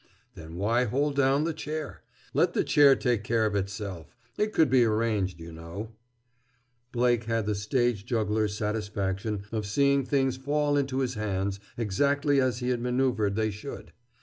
"Then why hold down the chair? Let the chair take care of itself. It could be arranged, you know." Blake had the stage juggler's satisfaction of seeing things fall into his hands exactly as he had manœuvered they should.